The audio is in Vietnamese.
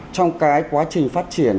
trong cái quá trình phát triển